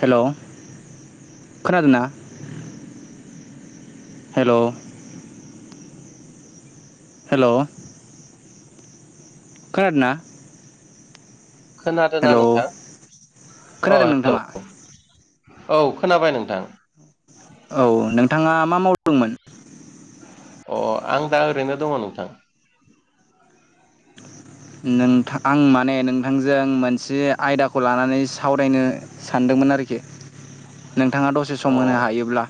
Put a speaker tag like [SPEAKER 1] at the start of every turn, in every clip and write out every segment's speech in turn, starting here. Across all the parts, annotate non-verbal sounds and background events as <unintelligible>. [SPEAKER 1] हेल' खोनाादोंना? Hello hello खोनादोंना?
[SPEAKER 2] खोनादों ना
[SPEAKER 1] हेलौ
[SPEAKER 2] नोंथां अ
[SPEAKER 1] खोनादों
[SPEAKER 2] हेलौ
[SPEAKER 1] नोंथाङा
[SPEAKER 2] । औ खोनाबाय नोंथां ।
[SPEAKER 1] औ नोंथाङा मा मावदोंमोन?
[SPEAKER 2] अ आं दा ओरैनो दङो नोंथां।
[SPEAKER 1] नोंथां आं माने नोंथांजों मोनसे आयदाखौ लानानै सावरायनो सानदोंमोन। मोन आरोखि नोंथाङा दसे
[SPEAKER 2] अ
[SPEAKER 1] सम होनो हायोब्ला।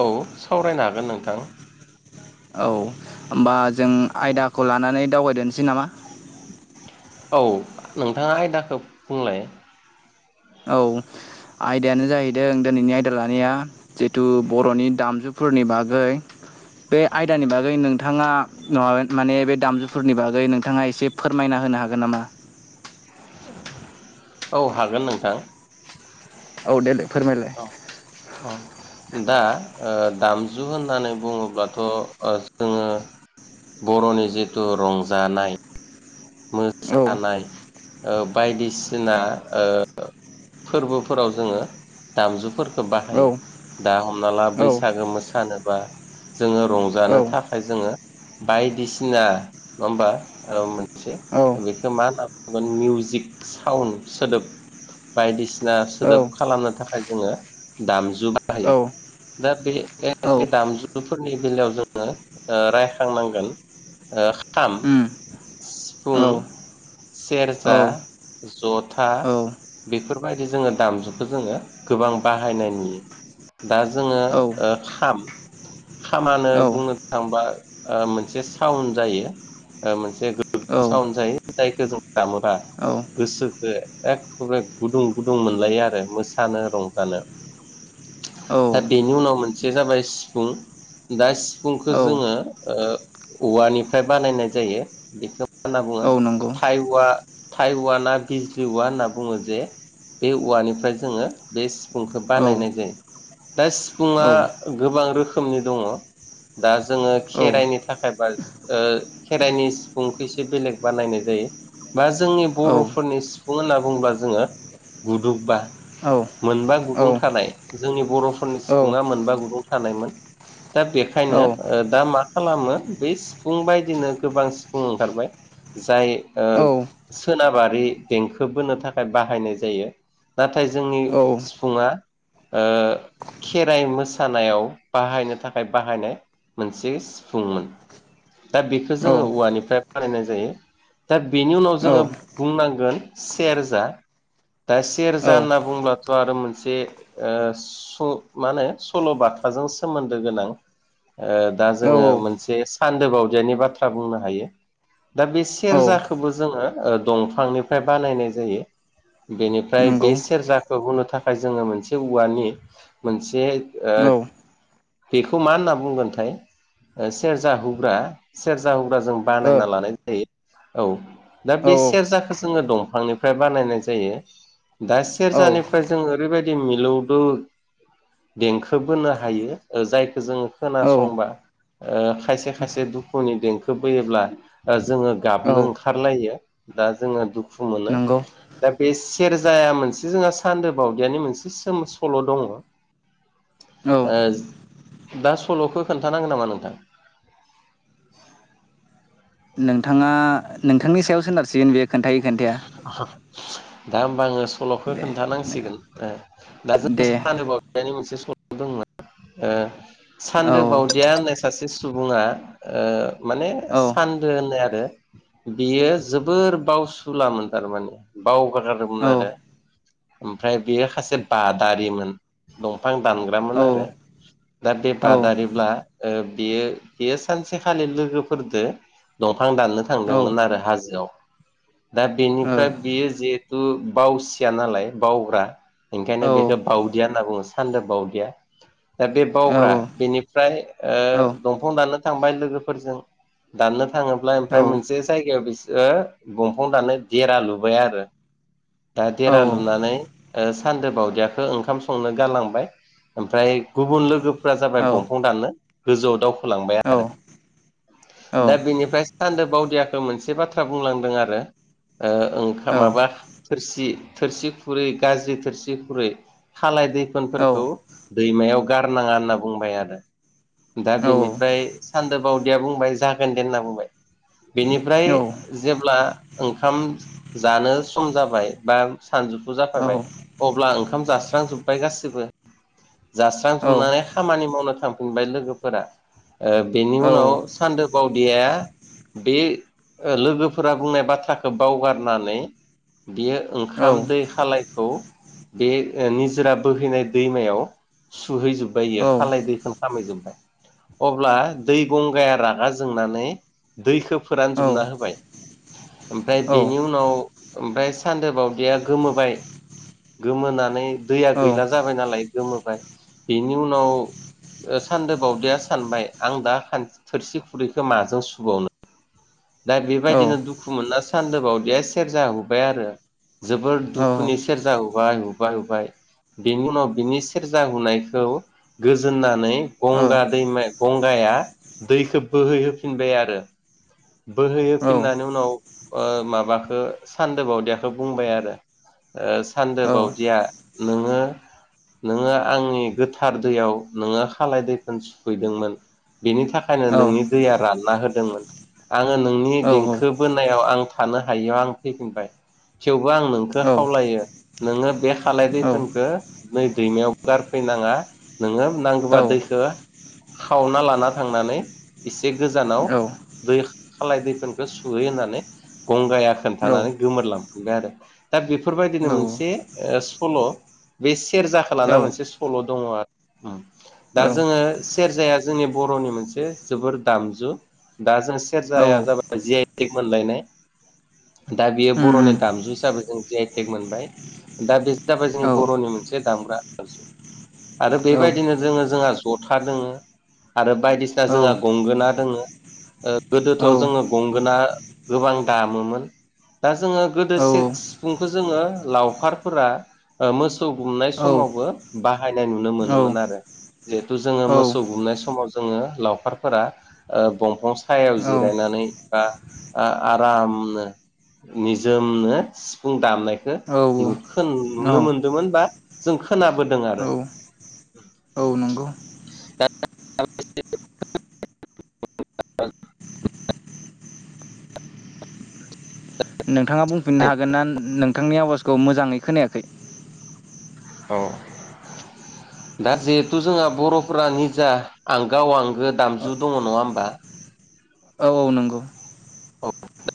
[SPEAKER 2] औ सावरायनो हागोन नोंथां।
[SPEAKER 1] औ होमबा जों आयदाखौ लानानै दावबायदोनोसै नामा?
[SPEAKER 2] औ नोंथांङा आयदाखो बुंलाय।
[SPEAKER 1] औ आयदायानो जाहैदों दिनैनि आयदा लानाया जिहेथु बर'नि दामजु फोरनि बागै बे आयदानि बागै नोंथाङा <unintelligible> माने बे दामजुफोरनि बागै नोंथाङा एसे फोरमायना होनो हागोन नामा?
[SPEAKER 2] औ हागोन नोंथां।
[SPEAKER 1] औ देलाय फोरमायलाय।
[SPEAKER 2] औ औ दा ओ दामजु होननानै बुंङोब्लाथ' ओ जोंङो बर'नि जिथु रंजानाय
[SPEAKER 1] औ
[SPEAKER 2] मोसानाय ओ बायदिसिना ओ फोरबोफोराव जोंङो दामजुफोर खौ
[SPEAKER 1] औ
[SPEAKER 2] बाहायो। दा हमना ला
[SPEAKER 1] औ
[SPEAKER 2] बैसागो मोसानोबा जोंङो रंजानो थाखाय जोंङो बायदिसिना नंङा होमबा ओ मो से
[SPEAKER 1] औ
[SPEAKER 2] बेखौ मा होनना बुंगोन मिउजिक साउन्ड सोदोब बायदिसिना सोदोब
[SPEAKER 1] औ
[SPEAKER 2] खालामनो थाखाय जोंङो दामजु बाहायो।
[SPEAKER 1] औ
[SPEAKER 2] दा बे
[SPEAKER 1] औ
[SPEAKER 2] दामजुफोरनि बेलायाव जोंङो ओ रायखांनांगोन ओ खाम
[SPEAKER 1] उम
[SPEAKER 2] सिफुं
[SPEAKER 1] औ औ
[SPEAKER 2] सेरजा जथा
[SPEAKER 1] औ
[SPEAKER 2] बेफोरबायदि जोंङो दामजुखौ जोंङो गोबां बाहायनाय नुयो। दा जोंङो
[SPEAKER 1] औ
[SPEAKER 2] ओ खाम खामानो
[SPEAKER 1] औ
[SPEAKER 2] बुंनो थांबा ओ मोनसे साउन्ड जायो ओ मोनसे साउन्ड जायो जायखौ जों दामोदा। गोसोखो एखबारे गुदुं गुदुं मोनलायो आरो मोसानो रंजानो।
[SPEAKER 1] <unintelligible>
[SPEAKER 2] दा बेनि उनाव मोनसे जाबाय सिफुं दा सिफुंखो जोंङो ओ औवानिफ्राय बानायनाय जायो। बेखौ मा होनना बुंङो
[SPEAKER 1] औ नंगौ
[SPEAKER 2] थाइऔवा थाइऔवाना बिजलि औवा होनना बुंङो जे बे औवानिफ्राय जोंङो बे सिफुंखौ
[SPEAKER 1] औ
[SPEAKER 2] बानायनाय
[SPEAKER 1] औ
[SPEAKER 2] जायो। दा सिफुुंङा
[SPEAKER 1] औ
[SPEAKER 2] गोबां रोखोमनि दंङ । दा जोंङो
[SPEAKER 1] औ
[SPEAKER 2] खेराइनि थाखाय बा ओ खेराइनि सिफुंखो एसे बेलेग बानायनाय जायो बा जोंनि
[SPEAKER 1] औ औ
[SPEAKER 2] बर'फोरनि सिफुं होनना बुंब्ला जोंङो गुदुंबा
[SPEAKER 1] औ
[SPEAKER 2] मोनबा गुदुं थानाय जोंनि बर'फोरनि सिफुंङा मोनबा गुदुं थानायमोन। दा बेखायनो ओ दा मा खालामो बै सिफुं बायदिनो गोबां सि फुं ओंखारबाय। जाय ओ सोनाबारि देंखो बोनो थाखाय बाहायनाय जायो। नाथाय जोंनि सिफुंङा ओ खेराइ मोसानायाव बाहायनो थाखाय बाहायनाय मोनसे सिफुंमोन दा बेखो जोंङो औवानि फ्राय बानायनाय जायो दा बेनि उनाव जोंङो बुंनांगोन सेरजा दा सेरजा होनना बुंब्लाथ' आरो मोनसे ओ स' मा होनो सल'बा थाजों सोमोन्दो गोनां। ओ दा
[SPEAKER 1] औ
[SPEAKER 2] जोंङो मोनसे सान्दो बावदियानि बाथ्रा बुंनो हायो। दा बे
[SPEAKER 1] औ
[SPEAKER 2] सेरजाखोबो जोंङो ओ दंफांनिफ्राय बानायनाय जायो। बेनिफ्राय
[SPEAKER 1] नंगौ
[SPEAKER 2] बे सेरजाखो हुनो थाखाय जोंङो मोनसे औवानि मोनसे ओ
[SPEAKER 1] औ
[SPEAKER 2] बेखौ मा होनना बुंगोनथाय ओ सेरजा हुग्रा सेरजा हुुग्रा जों बानायना लानाय जायो औ दा बे सेरजाखो जोंङो दंफांनिफ्राय बानायनाय जायो। दा सेरजानिफ्राय जों ओरैबायदि मिलौदो देंखो बोनो हायो जायखौ जोङो
[SPEAKER 1] औ औ
[SPEAKER 2] खोनासंबा ओ खायसे खायसे दुखुनि देंखो फैयोब्ला जोङो
[SPEAKER 1] औ
[SPEAKER 2] गाबनो ओंखारलायो दा जोङो दुखु मोनो
[SPEAKER 1] नंगौ
[SPEAKER 2] दा बे सेरजाया मोनसे जोंहा सान्दो बावदियानि मोनसे सोम सल दङ
[SPEAKER 1] <inaudible> औ
[SPEAKER 2] ओ दा सलखौ खोन्थानांगो नामा नोंथां?
[SPEAKER 1] <inaudible> नोंथाङा नोंथांनि सायाव सोनारसिगोन बेयो खोन्थायो खोन्थाया
[SPEAKER 2] दा होमबा आङो सलखौ
[SPEAKER 1] दे
[SPEAKER 2] खोन्थानांसिगोन दा जों
[SPEAKER 1] दे
[SPEAKER 2] सोन्दो बाव दियानि मोनसे सल दंमोन ओ
[SPEAKER 1] औ
[SPEAKER 2] सान्दो बावदिया होननाय सासे सुबुङा ओ माने
[SPEAKER 1] औ
[SPEAKER 2] सानदो होननाय आरो बियो जोबोर बावसुलामोन थारमाने बावगारथारोमोन
[SPEAKER 1] औ
[SPEAKER 2] आरो ओमफ्राय बेयो खासे बादारिमोन दंफां दानग्रामोन
[SPEAKER 1] औ
[SPEAKER 2] आरो दा बे
[SPEAKER 1] औ ओ औ
[SPEAKER 2] बादारिब्ला बेयो बेयो सानसेखालि लोगोफोरदो दंफां दाननो
[SPEAKER 1] औ
[SPEAKER 2] थांदोंमोन आरो हाजोआव दा
[SPEAKER 1] औ
[SPEAKER 2] बेनिफ्राय बियो जिहेथु बावसिया नालाय बावग्रा
[SPEAKER 1] औ
[SPEAKER 2] ओंखायनो बेखौ बावदिया होनना बुङो सान्दो बावदिया दा बे
[SPEAKER 1] औ
[SPEAKER 2] बावग्रा बेनिफ्राय ओ
[SPEAKER 1] औ
[SPEAKER 2] दंफां दानानो थांबाय लोगोफोरजों दाननो थाङोब्ला ओमफ्राय मोनसे जायगायाव बिसोरो बंफं दाननो देरा लुबाय आरो दा देरा लुनानै सान्दो बावदियाखो ओंखाम संनो गालांबाय ओमफ्राय गुबुन लोगोफोरा जाबाय दंफां दाननो गोजौआव दावखोलांबाय आरो
[SPEAKER 1] औ
[SPEAKER 2] दा बिनिफ्राय सान्दो बावदियाखो मोनसे बाथ्रा बुंलांदों आरो ओं
[SPEAKER 1] औ
[SPEAKER 2] ओंखा माबा थोरसि थोरसि खुरै गाज्रि थोरसि खुरै खाल लाय दैफोनफोरखौ दैमायाव गारनाङा होनना बुंबाय आरो दा
[SPEAKER 1] औ औ औ
[SPEAKER 2] बिनिफ्राय सान्दो बावदिया बुंबाय जागोन दे होनना बुंबाय
[SPEAKER 1] उम
[SPEAKER 2] बेनिफ्राय जेब्ला ओंखाम जानो सम जाबाय बा सानजौफु जाफायबाय
[SPEAKER 1] औ
[SPEAKER 2] अब्ला ओंखाम जास्रांजोब्बाय गासिबो जास्रांजुमनानै खामानि मावनो थांफिनबाय लोगोफोरा ओ बेनि उनाव सान्दो बावदिया बे लोगोफोरा बुंनाय बाथ्राखौ बावगारनानै बियो ओंखाम दै खालायखौ बे निजोरा बोहैनाय दैमायाव सुहैजोबबाय इयो खालाय दैखोन खामैजोबबाय अब्ला दै गंगाया रागा जोंनानै दैखौ फोरानजोबना होबाय ओमफ्राय बेनि उनाव ओमफ्राय सानदोबावदिया गोमोबाय गोमोनानै दैया गैला जाबाय नालाय गोमोबाय बेनि उनाव ओ सान्दो बावदिया सानबाय आं दा खान थोरसि खुरैखौ माजों सुबावनो दा बेबायदिनो दुखु मोनना सान्दोबावदिया सेरजा हुबाय आरो जोबोर दुखुनि सेरजा हुबाय हुबाय हुबाय बेनि उनाव बिनि सेरजा हुनायखौ गोजोननानै गंगा दैमा गंगाया दैखौ बोहैहोफिनबाय आरो
[SPEAKER 1] <inaudible>
[SPEAKER 2] बोहैहोफिननानै उनाव माबाखो सान्दो बावदियाखो बुंबाय आरो ओ सान्दो बावदिया नोङो नोङो आंनि गोथार दैयाव नोङा खालाय दैफोर सुफैदोंमोन बेनि थाखायनो नोंनि दैया रानना होदोंमोन। आङो नोंनि देंखो बोनायाव आं थानो हायियाव आं फैफिनबाय थेवबो आं नोंखौ खावलायो नोङो बे खालाय दैफोरखौ नै दैमायाव गारफै नाङा नोङो नांगौबा दैखौ खावना लाना थांनानै एसे गोजानाव दै खालाय दैफोनखौ सुहै होननानै गंगाया खोन्थानानै गोमोरलांफिनबाय आरो दा बेफोर बेबायदिनो मोनसे ओ सल' बे सेरजाखौ लाना मोनसे सल' दङ आरो दा जोङो सेरजाया जोंनि बर'नि मोनसे जोबोर दामजु दा जों सेरजाया जाबाय जि आइ टेक मोनलायनाय दा बियो बर'नि दामजु हिसाबै जों जिआइटेक मोनबाय दा बे जाबाय जोंनि बर'नि मोनसे दामग्रा आजु आरो बेबायदिनो जोङो जोंहा ज'था दोङो आरो बायदिसिना
[SPEAKER 1] औ
[SPEAKER 2] जोंहा गंगोना दोङो ओ गोदोथ'
[SPEAKER 1] औ
[SPEAKER 2] जोङो गंगोना गोबां दामोमोन दा जोङो गोदो
[SPEAKER 1] औ
[SPEAKER 2] से सिफुंखौ जोङो लावखारफोरा ओ मोसौ गुमनाय
[SPEAKER 1] औ
[SPEAKER 2] समाव बो बाहायनाय नुनो
[SPEAKER 1] औ
[SPEAKER 2] मोनोमोन आरो। जिहेथु जोङो
[SPEAKER 1] औ
[SPEAKER 2] मोसौ गुमनाय समाव जोङो लावखारफोरा ओ बंफां सायाव जिरायनानै बा ओ आरामनो निजोमनो सिफुं दामनायखौ
[SPEAKER 1] औ
[SPEAKER 2] नु खोन नुनो
[SPEAKER 1] औ
[SPEAKER 2] मोनदोंमोन बा जों खोनाबोदों आरो।
[SPEAKER 1] औ नंगौ।
[SPEAKER 2] <unintelligible>
[SPEAKER 1] नोंथाङा बुंफिननो हागोन ना नोंथांनि आवाजखौ मोजाङै खोनायाखै।
[SPEAKER 2] औ।
[SPEAKER 1] <inaudible>
[SPEAKER 2] दा जिहेथु जोंहा बर'फोरा निजा आं गाव आंगो
[SPEAKER 1] औ
[SPEAKER 2] दामजु दङ नङा होमबा
[SPEAKER 1] औ नंगौ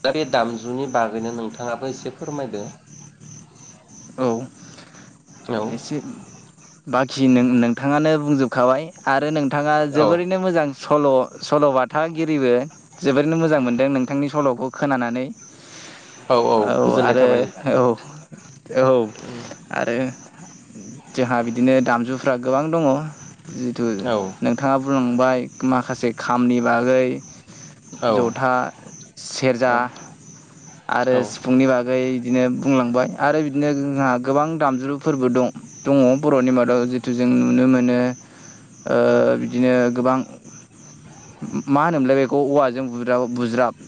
[SPEAKER 2] दा बे दामजुनि बागैनो नोंथाङाबो एसे फोरमायदो।
[SPEAKER 1] औ
[SPEAKER 2] औ
[SPEAKER 1] एसे बाखि नों नोंथाङानो बुंजोबखाबाय आरो नोंथाङा
[SPEAKER 2] औ
[SPEAKER 1] जोबोरैनो मोजां सल' सल' बाथागिरिबो जोबोरैनो मोजां मोनदों नों थांनि सल'खौ खोनानानै औ
[SPEAKER 2] गोजोननाय
[SPEAKER 1] आरो
[SPEAKER 2] थाबाय नोंथां
[SPEAKER 1] औ औ आरो जोंहा बिदिनो दामजुफ्रा गोबां दङ जिहेथु
[SPEAKER 2] औ
[SPEAKER 1] नोंथाङा बुंलांबाय माखासे खामनि बागै
[SPEAKER 2] औ
[SPEAKER 1] जथा सेरजा आरो
[SPEAKER 2] औ
[SPEAKER 1] सिफुंनि बागै बिदिनो बुंलांबाय आरो बिदिनो जोंहा गोबां दामज्रु फोरबो दं दङ बर'नि मादाव जिहेथु जों नुनो मोनो ओ बिदिनो गोबां मा होनोमोनलाय बेखौ औवाजों बुजाव बुज्राब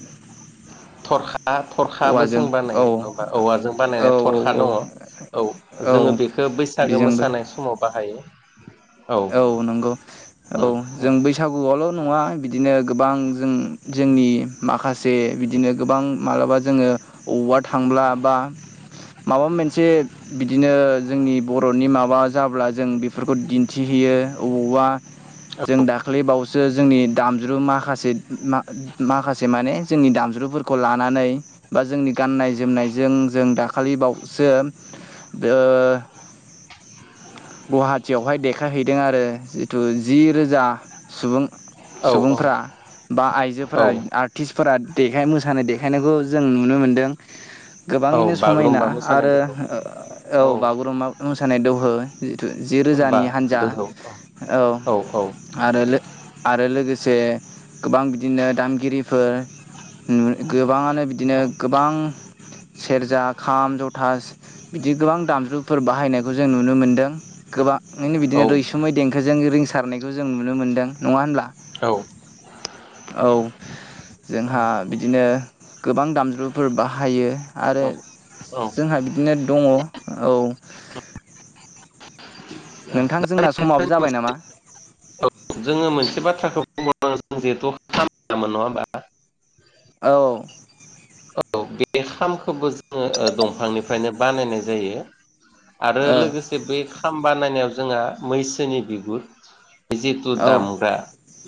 [SPEAKER 2] थरखा थरखाबो
[SPEAKER 1] औवाजों
[SPEAKER 2] जों
[SPEAKER 1] औ
[SPEAKER 2] बानायो नङा औवाजों
[SPEAKER 1] औ
[SPEAKER 2] बानायनाय
[SPEAKER 1] औ
[SPEAKER 2] थरखा
[SPEAKER 1] औ
[SPEAKER 2] दङ औ
[SPEAKER 1] औ
[SPEAKER 2] जोङो बेखौ बैसागो
[SPEAKER 1] बेजोंबो
[SPEAKER 2] मोसानाय समाव बाहायो।
[SPEAKER 1] औ नंगौ औ जों बैसागुआवल' नङा बिदिनो गोबां जों जोंनि माखासे बिदिनो गोबां मालाबा जोङो ववार्ड थांब्ला बा माबा मोनसे बिदिनो जोंनि बर'नि माबा जाब्ला जों बेफोरखौ दिन्थिहैयो अबावबा जों दाख्लैबावैसो जोंनि दामज्रु माखासे मा-माखासे माने जोंनि दामज्रुफोरखौ लानानै बा जोंनि गाननाय-जोमनायजों जों दा खालि बावसो ओ गुवाहाटियावहाय देखायहैदों आरो जिहेथु जि रोजा सुबुं
[SPEAKER 2] औ
[SPEAKER 1] सुबुंफ्रा बा
[SPEAKER 2] औ
[SPEAKER 1] आइजोफोरा आर्टिस्ट फोरा देखाय मोसानाय देखायनायखौ जों नुनो मोनदों।
[SPEAKER 2] औ
[SPEAKER 1] गोबाङैनो समायना
[SPEAKER 2] बागुरुम्बा मोसानाय
[SPEAKER 1] आरो
[SPEAKER 2] दोहौ
[SPEAKER 1] औ बागुरुम्बा मोसानाय दोहौ जिथु जि
[SPEAKER 2] बा
[SPEAKER 1] रोजानि हान्जा
[SPEAKER 2] दोहौ
[SPEAKER 1] औ आरो आरो लोगोसे गोबां बिदिनो दामगिरिफोर गोबाङानो बिदिनो गोबां सेरजा खाम जथा बिदि गोबां दामजुफोर बाहायनाय जों नुनो मोनदों गोबाङैनो बिदिनो
[SPEAKER 2] औ
[SPEAKER 1] रैसुमै देंखोजों रिं सारनायखौ बेखौ जों नुनो मोनदों नङा होनब्ला
[SPEAKER 2] औ
[SPEAKER 1] औ जोंहा बिदिनो गोबां दामजुफोर बाहायो आरो
[SPEAKER 2] औ औ
[SPEAKER 1] जोंहा बिदिनो दङ औ
[SPEAKER 2] दा
[SPEAKER 1] नोंथां जोंना समाबो जाबाय नामा?
[SPEAKER 2] जोङो मोनसे बाथ्राखौ बुंबावनांगोन जों जिहेथु खाम दामो नङा होमबा
[SPEAKER 1] औ
[SPEAKER 2] औ बे खामखौबो जोङो दंफांनिफ्रायनो बानायनाय जायो आरो
[SPEAKER 1] औ
[SPEAKER 2] लोगोसे बै खाम बानायनायाव जोंहा मैसोनि बिगुर जिथु
[SPEAKER 1] ओ
[SPEAKER 2] दामग्रा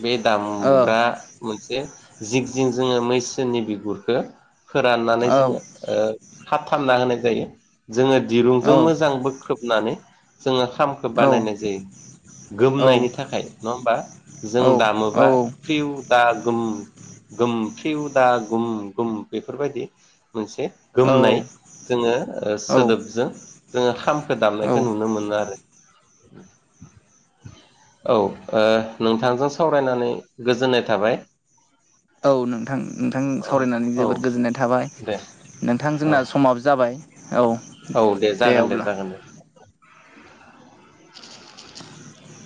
[SPEAKER 2] बे
[SPEAKER 1] औ
[SPEAKER 2] दामग्रा मोनसे जिं जिं जोङो मैसोनि बिगुरखौ फोराननानै
[SPEAKER 1] औ
[SPEAKER 2] जोङो खाथाबना होनाय जायो जोङो
[SPEAKER 1] औ
[SPEAKER 2] दिरुंजों मोजां बोख्रेबनानै जोङो खामखौ बानायनाय जायो गोमनायनि थाखाय नङा होमबा जों दामोबा फ्रिउ दा फ्रिउ दागुम बेफोरबायदि मोनसे गोमनाय जोङो
[SPEAKER 1] औ
[SPEAKER 2] सोदोबजों जोङो खामखौ
[SPEAKER 1] औ
[SPEAKER 2] दामनायखौ नुनो मोनो आरो
[SPEAKER 1] <inaudible>
[SPEAKER 2] औ ओ नोंथांजों सावरायनानै गोजोननाय थाबाय
[SPEAKER 1] औ नोंथां नोंथां
[SPEAKER 2] औ
[SPEAKER 1] सावरायनानै
[SPEAKER 2] औ
[SPEAKER 1] जोबोद गोजोननाय थाबाय
[SPEAKER 2] दे
[SPEAKER 1] नोंथां
[SPEAKER 2] औ
[SPEAKER 1] जोंना समाबो जाबाय औ
[SPEAKER 2] औ
[SPEAKER 1] दे
[SPEAKER 2] जागोन
[SPEAKER 1] अब्ला
[SPEAKER 2] जागोन दे <inaudible>